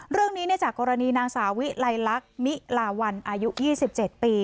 เรื่องนี้จากกรณีนางสาวิไลลักษณ์มิลาวันอายุ๒๗ปี